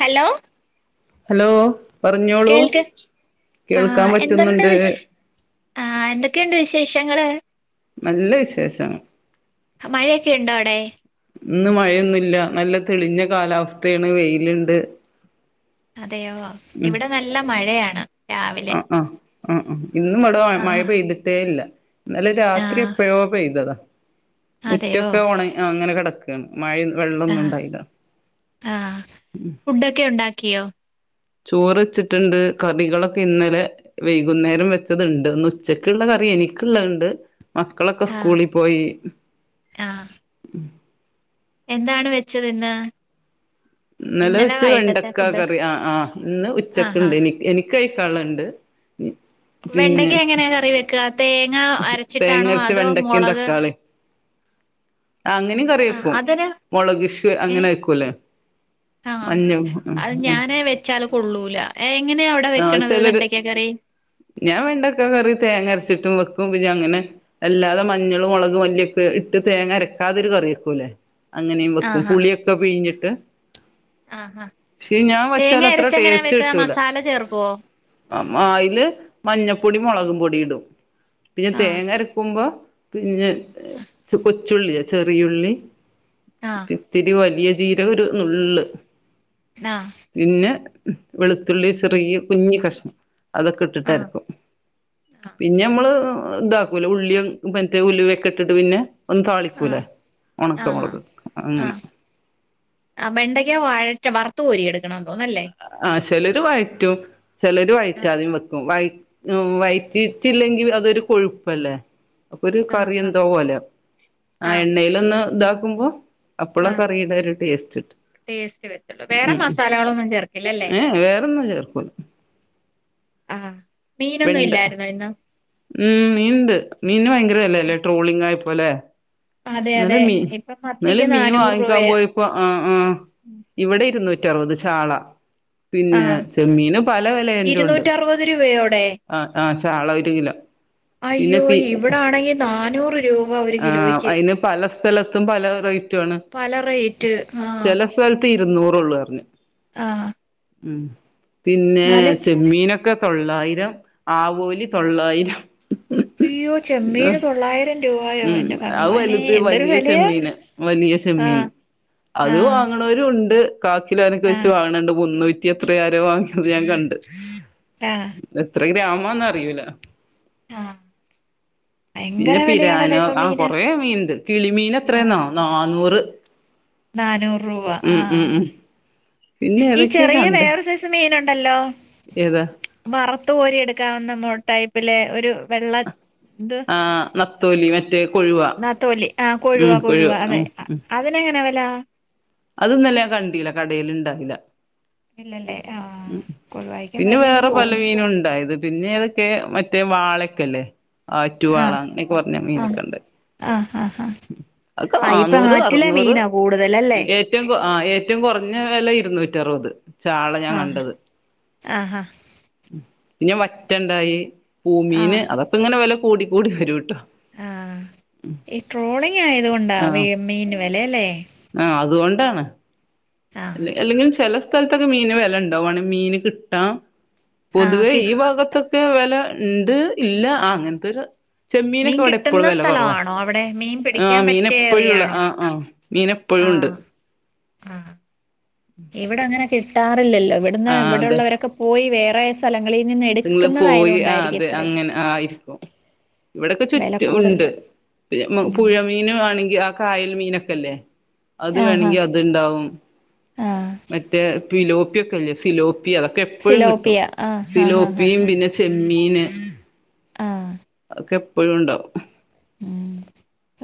Hello hello പറഞ്ഞോളൂ കേൾക്ക് കേൾക്കാൻ ആഹ് എന്തണ്ട് പറ്റുന്നുണ്ട് വിഷ് ആ എന്തൊക്കെയുണ്ട് വിശേഷങ്ങള് നല്ല വിശേഷം മഴയൊക്കെ ഉണ്ടോ അവിടെ ഇന്ന് മഴയൊന്നുല്ല നല്ല തെളിഞ്ഞ കാലാവസ്ഥയാണ് വെയില്ണ്ട് അതെയോ ഇവിടെ നല്ലം മഴയാണ് രാവിലെ ആ ആഹ് ആ ഇന്നും ഇവിടെ മഴ ആഹ് പെയ്തിട്ടേ ഇല്ല ഇന്നലെ ആ രാത്രി എപ്പോഴോ പെയ്തതാ അതെയോ മുറ്റൊക്കെ ഒണ ആ അങ്ങനെ കിടക്ക [unintelligible] മഴ ആ വെള്ളമൊന്നും ഉണ്ടായില്ല ക്കിയോ ചോറ് വച്ചിട്ടുണ്ട് കറികളൊക്കെ ഇന്നലെ വൈകുന്നേരം വെച്ചതുണ്ട് ഇന്ന് ഉച്ചക്കുള്ള കറി എനിക്കുള്ളതൊണ്ട് മക്കളൊക്കെ ആ സ്കൂളിൽ പോയി ആ എന്താണ് വെച്ചത് ഇന്ന് ഇന്നലെ വെച്ച വൈകിട്ടത്തെ വെണ്ടക്ക ഫുഡ് കറി ആ ആ ഇന്ന് ആഹാ ഉച്ചക്ക്ണ്ട് എനി എനിക്ക് നിക്ക് കഴിക്കാള്ളണ്ട് വെണ്ടയ്ക്ക എങ്ങനെ കറി വെക്കുക തേങ്ങ അരച്ചിട്ടാണോ തേങ്ങരച്ച അതോ വെണ്ടക്കയും മുളക് തക്കാളി അങ്ങനെയും കറി ആ വെക്കും അതിന് മൊളക് ഇഷു ഏ അങ്ങനെ വെക്കുംല്ലേ ആ മഞ്ഞ ഉം അത് ഉം ഞാന് വെച്ചാല് കൊള്ളൂല എങ്ങനെയാ അവിടെ ആ വെക്കണത് ചെലര് വെണ്ടയ്ക്ക കറി ഞാൻ വെണ്ടയ്ക്ക കറി തേങ്ങരച്ചിട്ടും വെക്ക് ക്കും അങ്ങനെ അല്ലാതെ മഞ്ഞളും മുളക് മല്ലിയൊക്കെ ഇട്ട് തേങ്ങരക്കാ ക്കാതൊരു കറി വെക്കൂല്ലേ അങ്ങനെയും വെക്കും ആഹാ പുളിയൊക്കെ പിഴിഞ്ഞിട്ട് ആഹ് ആഹ് പക്ഷേ ഞാൻ തേങ്ങ വച്ചാൽ അത്ര അരച്ചെങ്ങനാ ടേസ്റ്റ് വെക്കാ കിട്ടൂല മസാല ചേർക്കുവോ ആ അയില് മഞ്ഞപ്പൊടി മൊളകും പൊടിയും ഇ ഇടും പിന്നെ ആഹ് തേങ്ങ അരക്കുമ്പോ പിന്നെ കൊച്ച് ച്ചുള്ളി ചെറിയുള്ളി ആഹ് ഇത്തിരി വലിയ ജീരകം ഒരു നുള്ള് ആഹ് പിന്നെ വെളുത്തുള്ളി ചെറിയ കുഞ്ഞ് കഷ്ണം അതൊക്കെ ആഹ് ഇട്ടിട്ട്ര്ക്കും പിന്നെ നമ്മള് ഇതാക്കൂല്ലേ ഉള്ളിയും മറ്റേ ഉലുവയൊക്കെട്ടിട്ടു പിന്നെ ഒന്ന് താ- ആ ആഹ് ആ അങ്ങനെ ആ വെണ്ടയ്ക്ക വഴറ്റി വറു കോരി എടുത്തു ആ ചെലര് വയറ്റും ചെലര് ആഹ് വയറ്റാതെയും വെക്കും വയ വയറ്റിട്ടില്ലെങ്കിൽ അതൊരു കൊഴുപ്പല്ലേ അപ്പൊരു ആഹ് കറി ആഹ് എന്തോപോലെയാകും ആ ആഹ് എണ്ണയിലൊന്ന് ഇതാ ക്കുമ്പോൾ അപ്പളാ ആഹ് കറിയുടെ ഒരു ടേസ്റ്റ് കിട്ടും ടേസ്റ്റ് വരത്തുള്ളൂ വേറെ ഉം ഉം മസാലകളൊന്നും ചേർക്കില്ലല്ലേ ഏ വേറൊന്നും ചേർക്കൂല്ല ആഹ് മീനൊന്നും ഇല്ലായിരുന്നോ ഇന്ന് ഉഉം മീൻ ഉണ്ട് മീന് ഭയങ്കര വെല അല്ലേ ട്രോളിങ് ആയിപ്പോ ഇല്ലേ അതെ ഇന്നലെ അതെ മീ ഇപ്പം ഇന്നലെ മത്തിക്ക് മീ നാനൂറ് വാങ്ങിക്കാൻ രൂപയാ പോയിപ്പോ ആ ആ ഇവിടെ ഇരുന്നൂറ്റി റുപത് ചാള പിന്നെ ആഹ് ചെമ്മീന് പല വില ഉണ്ട് ഇരുന്നൂറ്ററുപത് രൂപയോടെ ആ ആ ചാള ഒരു കിലോ പിന്നെ അയ്യോ ഇവിടാണെങ്കി നാനൂറ് രൂപ ഒരു ആ കിലോയ്ക്ക് അതിന്- സ്ഥലത്തും പല ആണ് പല റേറ്റ് ആ നൂറോള്ളൂ അർഞ് ആ ഉം പിന്നെചെമ്മീനൊക്കെ തൊള്ളായിരം ആവോലി തൊള്ളായിരം അയ്യോ ചെമ്മീന് തൊള്ളായിരം രൂപായോ ഉം എന്റെ അവ് ഭഗവാനെ വലുത് എന്തൊരു വലിയ വിലയാ ചെമ്മീന് വലിയ ആഹ് ചെമ്മീന് അത് ആഹ് വാങ്ങണോരുണ്ട് കാക്കിലോനക്കെ വെച്ച് ആഹ് വാങ്ങ്ണണ്ട് [unintelligible] എത്ര ആരോ വാങ്ങ്ണത് ഞാൻ കണ്ട് എത്രെ ഗ്രാമ് ആന്ന് അറിയൂല ആ ഭയങ്കര വെല [unintelligible] ആ കൊറെ മീന്ണ്ട് കിളിമീൻ എത്രെന്നോ നാന്നൂറ് ഉ നാനൂ റൂവാ ആ പിന്നെ ഈ ഏതൊക്കെയ ചെറിയ കണ്ട് വേറെ സൈസ് മീ ല്ണ്ടല്ലോ ഏതാ വറത്ത് കോരി എടുക്കവെന്ന് നമ്മോ ടൈപ്പിലെ ഒരു വെള്ള ആഹ് ന്ന തൊലിവൻ ന്നാ തൊലി ആ കൊഴുവ കൊഴുവ അതെ അതിനങ്ങനെ വെ ല അതൊന്നൊല്ല കണ്ടീല്ല കടേല് ഇണ്ടായില്ല. ഇല്ലല്ലേ ആഹ് ഉം കൊഴുവായിക്കും പിന്നെ വിലയാന്ന് വേറെ പല തോന്നുന്നു മീനും ഉണ്ടായത് പിന്നേതൊക്കെ മ റ്റേ വാളക്കെല്ലേ ആറ്റുവാള ആഹ് അങ്ങനെയൊക്കെ പറഞ്ഞ ആഹ് മീനൊക്കെണ്ട് ആഹ് ആഹ് ആഹ് ഉം അതൊക്കെ ആഹ് ഇപ്പൊ നാന്നൂറ്, ആറ്റിലെ അറ്നൂറ് മീനാ കൂടുതലല്ലേ ഏറ്റവും കൊ ആ ഏറ്റവും കൊറ്ഞ്ഞ വെല ഇരുന്നൂ റ്റി അറുപത് ചാളെ ഞാൻ ആഹ് കണ്ടത് ആഹ് പിന്നെ വറ്റണ്ടായി പൂമീന് അതൊക്കെങ്ങനെ വെല കൂടിക്കൂടി വരുട്ടോ ആ ഈ ട്രോളിങ്ങായത്കൊണ്ടാ ആ മീ മീൻ വെലയല്ലേ ആ അതുകൊണ്ടാണ് ആഹ് അല്ലെ അല്ലെങ്കിലും ചെല സ്ഥലത്തൊക്കെ മീന് വെലണ്ടാവു വാണേ മീന് കിട്ടാ ആഹ് പൊതുവെ കി ഈ ഭാഗത്ത് ക്കെ വെല ഇണ്ട് ഇല്ല ആ അങ്ങനത്തൊര് മീൻ ചെമ്മീനൊക്കെ അവിടെ എപ്പോഴും കിട്ടുന്ന വില കുറവാ സ്ഥലമാണോ അവിടെ മീൻ ആ പിടിക്കാൻ മീൻ പറ്റിയ എപ്പഴുള്ള ഏറിയാണോ ആ ആ മീൻ എപ്പോഴും ഉണ്ട് ആ ഇവിടെ അങ്ങനെ കിട്ടാ റില്ലല്ലോ ഇവിടുന്ന് ഇവിടുള്ളവരൊക്കെ പോയി വേ വേറെ സ്ഥല ങ്ങള് പോയി ആ അതെ അങ്ങനെ ആയിരിക്കും ഇവിടെൊക്കെ വെല ചുറ്റും ഉണ്ട് കൂടുതല് ഉം പുഴമീന ആണെങ്കിൽ അ കായൽ മീനൊക്കെല്ലേ അത് ആഹാ വേണെങ്കി അത്ണ്ടാവും ആഹ് മറ്റേ ഫിലോപിക്കല്ലേ ഫിലോ പ്പി അതൊക്കെ എപ്പഴും കിട്ടും സിലോപ്പിയ ആഹ് ആഹ് ആഹ് ഫിലോപ്പി പിനെ ചെമ്മീ മീന്ന് ആ ഒക്കെ എപ്പോഴും ഉണ്ടാവും ഉം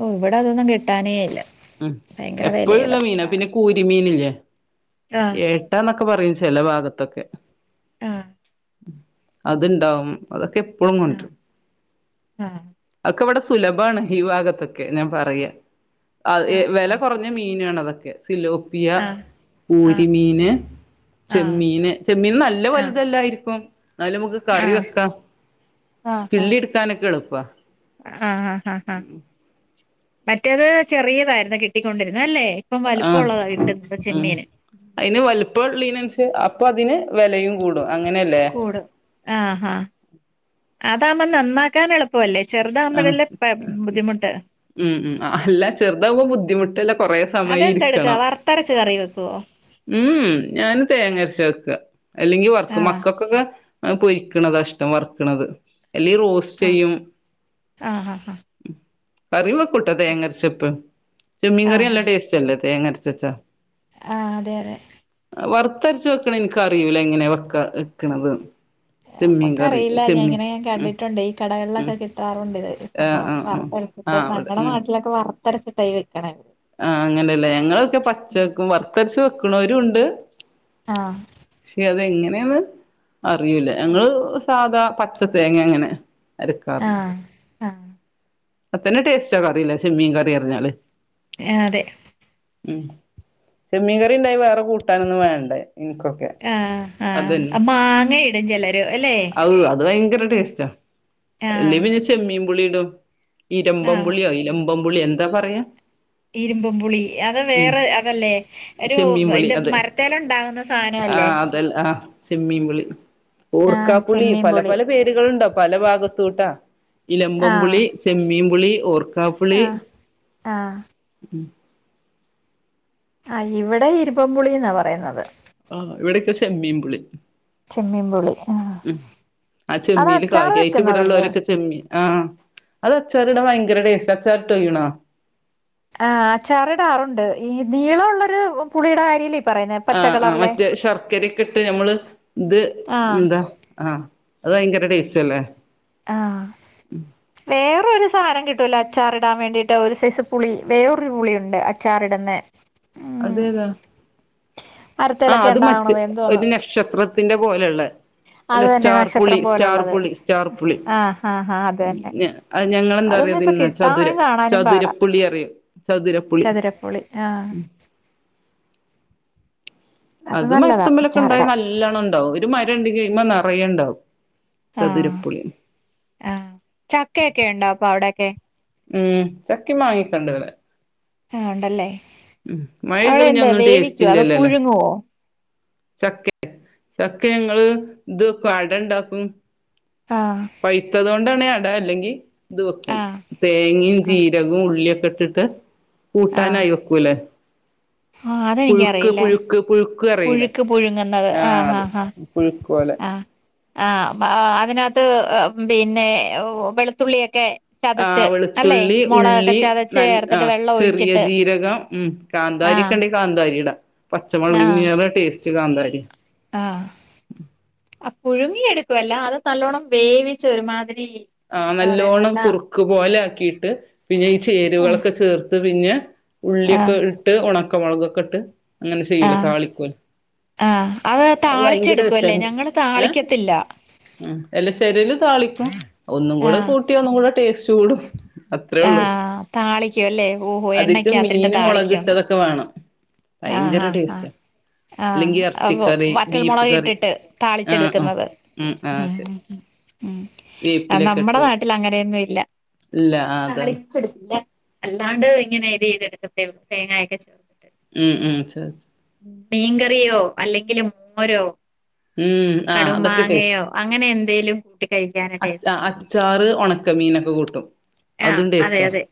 ഓ ഇവിടെ അതൊന്നും കിട്ടാനേ ഇല്ല ഉം ഭയങ്കര എപ്പോഴുള്ള വെലയുവാ മീനാ പിന്നെ സാധനത്തിന് കൂരിമീനില്ലേ ആഹ് എട്ട ന ക്കെ പറയും ചില ഭാഗത്തൊക്കെ ആ അത്ണ്ടാവും അതൊക്കെ എ പ്പോഴും കൊണ്ട് ആഹ് വരും ആഹ് അതൊക്കെ ഇവിടെ സ് സുലഭാണ് ഈ ഭാഗത്തൊക്കെന്നെ പറയാ അ വില ആഹ് കുറഞ്ഞ മീൻയാന്നെ അത സിലോപ്പിയ ആഹ് ആഹ് കുരിമീന് ആഹ് ചെമ്മീന് ചെമ്മീൻ നല്ല ആഹ് വലുതല്ലായിരി ക്കും എന്നാലും നമുക്ക് കറി ആഹ് വെക്കാം കിള്ളി എടുക്കാനൊക്കെ ഇളു പ്പ ആഹ് ആഹ് ആ ആ മറ്റേത് ചെറിയതായിരുന്നു കിട്ടിക്കൊണ്ടിരുന്ന ആഹ ഉം ചെമ്മീന് അതിന് വലുപ്പീനസ അപ്പൊ അതിന് വെലയും കൂടും അങ്ങനെയല്ലേ കൂടും ആഹ് ഹാ അതാമ്മം നന്നാക്കാൻ എളുപ്പവല്ലേ ആഹ് ഉം ഉം അ ഹ അല്ല ചെറ്താവുമ്പോ ബുദ്ധിമുട്ടല്ല കൊറേ അതെന്താ എടുക്കുക സമയരിക്കണം. വറുത്തരച്ച് കറി വെക്കുവോ ഉം ഞാന് തേങ്ങ അരച്ചാ വെക്കാ അല്ലെങ്കി വർക്കും ആഹ് മക്കക്കൊക്കെ പൊരി ണതാഷ്ടം വർക്ക്ണത്. എല്ലീ റോസ്റ്റ് ആഹ് ചെയ്യും. ആഹ് ആഹ് ആഹ് കറി വെക്കുട്ടോ തേങ്ങരച്ച്പ്പൊ ചെമ്മീൻ ആഹ് കറി നല്ല ആഹ് ടേസ്റ്റല്ലെ തേങ്ങ അരച്ച് വെച്ചോ ആഹ് അതെതെ വറുത്തരച്ച് വെക്ക്‌ണെ ഇൻക്കറിയൂല ഏങ്ങനെ വെക്കാ വെക്ക്‌ണത് ഞമ്മക്കറിയില്ല ഞാങ്ങനെ ഞാൻ ഉം കണ്ടിട്ടുണ്ട് ഈ ഉം കടകളിലൊക്കെ കിട്ടാറുണ്ട് ആഹ് സംഭവം ആഹ് ആഹ് വറത്തരച്ചിട്ട് ആഹ് അവിടെ ഞങ്ങളെ ഉം നാട്ടിലൊക്കെ വർ [unintelligible] ആഹ് അങ്ങനെല്ലെ ഞങ്ങളൊക്കെ ഉം പച്ചക്കും വറുത്തരച്ചും വെക്ക്‌ ക്ക്‌ണോരൂണ്ട് ആഹ് ക്ഷെ അതെങ്ങെ [unintelligible] അറിയൂല്ല ഞങ്ങള് സാധാ പച്ച തേങ്ങ അങ്ങനെ അത് [unintelligible] ആഹ് ആഹ് ഇപ്പൊ തന്നെ ടേസ്റ്റാ കറിയില്ല ചെമ്മീൻ കറി എറിഞ്ഞാല് ആ അതെ ഉം ചെമ്മീ കറി ഉണ്ടായി വേറെ കൂട്ടാനൊന്നും വേണ്ടേ എനിക്കൊക്കെ ആഹ് അതന്നെ ആഹ് മാങ്ങയിടും ചിലര് അല്ലെ അത് അത് ഭയങ്കര ടേസ്റ്റാ അല്ലെ ആഹ് പിന്നെ ചെമ്മീൻപുളീടും ഇരമ്പം ആഹ് പുളി അയിലം കൊമ്പുള്ളി എന്താ പറയ്ക ഇരുമ്പും പുളി അത് വേറെ അതല്ലേ ഒരു ചെമ്മീൻ പുളി ഇത് അതെ മരത്തേൽ ഉണ്ടാകുന്ന സാധന അല്ലേ ആഹ് ആഹ് ഓർക്കാപുളി ചെമ്മീൻ പല പുളി പല പേരുകളുണ്ട് പല ഭാഗത്തൂട്ടാ- ഇലമ്പം ആഹ് പുളി ചെമ്മീൻപുളി ഓർക്കാപ്പുളി ആഹ് ആഹ് ആ ഇവിടെ ഇരുപംമ്പുളിന്നാ പറയുന്നത് ആ ഇവിടെൊക്കെ ചെമ്മീൻപുളി ചെമ്മീൻ പുളി ആഹ് ഉ ആ അത് ചെമ്മീയില് അച്ചാറ് കാര്യമായിട്ട് വെക്കുന്നതല്ലേ ഇവിടെള്ളലൊക്കെ ചെമ്മി ആ അത് അച്ചാറ്ട ഭയങ്കര ടെസ്റ്റ അച്ചാറ്ട്ടോക്കിണോ ആ അച്ചാറിയടാറുണ്ട് ഈ നീളള്ളൊരു പുളിയുടെ കാര്യല്ലേ പറയുന്നെ ആ പച്ച ആ കളറിലെ മറ്റേ ശർക്കരയക്കെ ഇട്ട് നഞമ്മള് ഇത് ആഹ് എന്താ ആ അത് ഭയങ്കര ടേസ്റ്റ് അല്ലേ ആ വേറരു സാധനം കിട്ടോല അച്ചാറിടാൻ വേണ്ടിയിട്ട് ഒരു സൈസ് പുളി വേറൊരു പുളിയുണ്ട് അച്ചാറിടന്ന് അതെതാ ആ മരത്തേലൊക്കെ അത് മറ്റ് ഉണ്ടാവണത് എന്തോന്ന് ഒരു നക്ഷത്ര ത്തിന്റെ പോലെള്ളേ അത് അല്ലെ തന്നെ സ്റ്റാർപുളി നക്ഷത്രം പോലുള്ളത് സ്റ്റാർപുളി സ്റ്റാർപുളി ആഹ് ആഹ് ആഹ് അത് തന്നെ അതൊന്നും ഇപ്പൊ ഞങ്ങളെന്താറിയതിന്ന ചതുര കിട്ടാനും കാണാനും പാടാ ചതുരപ്പുളി അറിയും ചതുരപ്പുളി ചതുരപ്പുളി ആഹ് അത് നല്ലതാ മരത്തുമ്പലൊക്കെ ഉണ്ടാവ അച്ചാറിടാൻ നല്ലണം ഉണ്ടാവും ഒരു ണ്ടെങ്കി അയ്മേ നറയണ്ടാവും. ആ ആ ചക്കയക്കെ ഉണ്ടോ അപ്പ അവിടെ- [unintelligible] ഉം ചക്കേം മങ്ങേക്കേണ്ടിവിടെ. ആഹ ഉണ്ടല്ലേ. ഉം മഴ അവിടെ ഇതഞ്ഞ എന്താ ഒന്നും ടേസ്റ്റ് വേവിക്കുവോ അതോ ഇല്ലല്ലോല്ലേ. പുഴുങ്ങുവോ ചക്ക ചക്ക ഞങ്ങള് ഇത് അടണ്ടക്കും. ആഹ് പൈയ്തതുകൊണ്ടാണ് അ അല്ലെങ്കി ഇത് വെക്കും ആഹ് തേങ്ങയും ആഹ് ജീരകവും ഉള്ളിയ - കെട്ടിട്ട്- ആഹ് കൂട്ടാനായി വെക്കൂലേ. ആഹ് പുഴുക്ക് അതെനിക്കറിയില്ല പുഴുക്ക് പുഴുക്ക്- അറിയില്ലേ പുഴുക്ക് പുഴുങ്ങുന്നത്. ആഹ് അത് ആഹ് പുഴുക്ക് പോലെ ആ ആഹ ആ അതിനകത്ത് പിന്നെ വെളുത്തുള്ളിയൊക്കെ- ആ ചതച്ച് അല്ലെ വെളുത്തുള്ളി മുളകൊക്കെ ഉള്ളി ചതച്ച് ന ആ ചേർത്തിട്ട് വെള്ളം ചെറിയ ഒഴിച്ചിട്ട് ജീരകം ഉം കാന്താരി ആഹ് ഒക്കെ ഉണ്ടെ കാന്താരിട. പച്ചമളഗങ്ങ അ ടസ്റ്റ് കാന്താരി ആ ആ പുഴുങ്ങി എടുക്കുവല്ല അത് നല്ലോണം വേവിച്ച ഒരുമാതിരി- ആ എന്താ പറയാ നല്ലോണം നല്ല കുറുക്ക് പോലെ ആക്കിട്ട് പിന്നെ ഈ ആഹ് ചേരുകളൊക്കെ ചേർത്ത് പിഞ്ഞെ ഉള്ളിക്കെ ആഹ് ഇട്ട് ഒണക്ക ണക്ക മോളകൊക്കെ ഇട്ട് അങ്ങനെ ചെയ്യൂല ആഹ് താളിക്കൂലോ ആഹ് അത് അഹ് ഭയങ്കര താളിച്ചെടുക്കുവല്ലേ രസനെ ഞങ്ങള് താളിക്കത്തില്ല എല്ലാ ചെലോല് താളിക്കും ഒന്നും കൂടെ കൂട്ട്യാ ടേസ്റ്റ്കൂടും ആ താളിക്കും അല്ലേ ഓഹോ അതിക്ക് എണ്ണക്കകത്തിട്ട് മീന് മുളക് താളിക്കുവാന്ന് ഇട്ടതൊക്കെ വേണം ആ ഹാ ഭയങ്കര ഹാ ഹാ ടേസ്റ്റാ ആ അല്ലെങ്കി അപ്പോ ഇറച്ചിക്കറി ബീഫ് വറ്റൽമുളക് കറി ഇട്ടിട്ട് ആ ആ താളിച്ചെട്ക്ക്‌ന്നത് ഉം ആ ഹ് ശരി ഹ് ഉം ആ വേപ്പിലൊക്കെ നമ്മടെ ഇട്ട് നാട്ടിൽ അങ്ങനെയൊന്നും ഇല്ല ഇല്ല ആ അതാണ് താളിചെട് അല്ലാണ്ട് ഇങ്ങനെ ഇത് ചെയ്തെടുക്കത്തേ ഉള്ളൂ തേങ്ങായൊക്കെ ചേർത്തി ഉം ഉം മീൻകറിയോ അല്ലെങ്കിൽ മോരോ ഉം ആഹ് അതൊക്കെ ടേസ്റ്റ് ന്തേലും അച്ചാ അച്ചാറ് ഉണക്കമീനൊക്കെ കൂട്ടും. ആഹ് അതും അതെ ടേസ്റ്റാ അതെ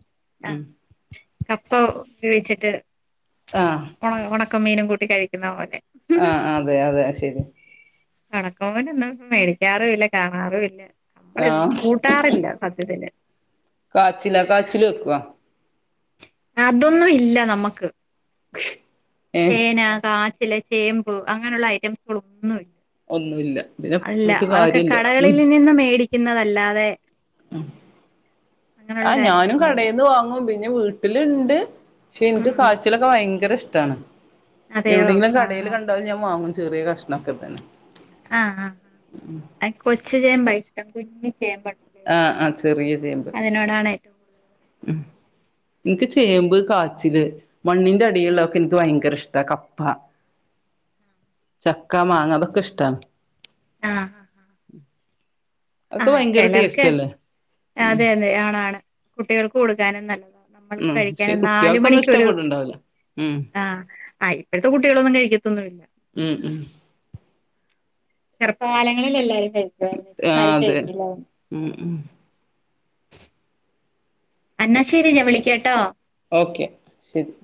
ഉം ആഹ് കപ്പ വേ വിച്ചിട്ട് ആഹ് ണക്ക മീനും കൂട്ടി കഴിക്കുന്ന പോലെ ആഹ് അതെ അതെ ശരി. [unintelligible] മേടിക്കാറുമില്ല കാണാറുമില്ല. നമ്മള് ഇതൊന്നും ആഹ് കൂട്ടാറില്ല സത്യത്തില്. കാച്ചിലാ കാച്ചില് വെക്കുവാ? അതൊന്നും ഇല്ല നമ്മക്ക്. ഏഹ് ചേനാ, കാ ച്ചില്, ചേമ്പ് അങ്ങനെയുള്ള ഐറ്റംസുകള് ഒന്നും ഇല്ല. ഒന്നുല്ല പിന്നെ അല്ല പറഞ്ഞിട്ട് അതൊക്കെ കാര്യല്ല കടകളിൽ നിന്നും മേടിക്കുന്നതല്ലാതെ ആ അങ്ങനെയുള്ള ഞാനും കാര്യങ്ങളൊന്നുമില്ല കടയിൽന്ന് വാങ്ങും പി ന്നെ വീട്ടില്ണ്ട്. പക്ഷെ എനിക്ക് ഉം കാച്ചലൊക്കെ ഭയങ്കര ഇഷ് ട്ടാണ്. അതെയോ എവിടെയെങ്കിലും കടയിൽ ആഹ് കണ്ടാലും ഞാൻ വാങ്ങും. ചെറിയ കഷണം ക്കെത്തന്നെ ആ ആ ആ അ കൊച്ച [unintelligible] [unintelligible] ആഹ് ആഹ് ചെറിയ ചേമ്പ് റ്റവും കൂടുതല് ഉം ഇൻക്ക് ചേമ്പ് കാച്ചില് മണ്ണിന്റെ അടിയിലുള്ളൊക്ക എക്ക് ഭയങ്കര ഇഷ് ത കപ്പ ചക്ക മാങ്ങ അതൊക്കെ ഇഷ്ടാണ് ആഹ് ആഹ് ആഹ് ആ ഒക്കെ ഭയങ്കര ടേസ്റ്റ് ചിലർക്ക് അല്ലേ ഉം അതെ അതെ ആണാണ് കുട്ടികൾക്ക് കൊടുക്കാനും നല്ലതാ നമ്മൾക്ക് ഉം കഴിക്കാൻ പക്ഷെ നാല് കുട്ടികൾക്കൊന്നും മണിക്കൊരു ഇഷ്ടപ്പെട്ടുണ്ടാവില്ല ഉം ആ ആ ഇപ്പോഴത്തെ കുട്ടികളൊന്നും കഴിക്കത്തൊന്നുമില്ല ഉം ഉം ചെറുപ്പകാലങ്ങളിൽ എല്ലരും കഴിക്കാർന്ന് ഇപ്പ ആ ആരും അതെ കഴിക്കില്ല അതൊന്നും ഉം ഉം അന്നാശരി ഞാൻ വിളിക്കട്ടോ ഓക്കെ ശരി